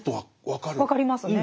分かりますね。